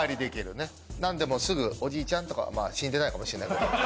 なんですぐおじいちゃんとかまあ死んでないかもしれない。